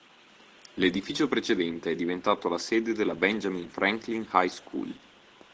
L'edificio precedente è diventato la sede della Benjamin Franklin High School.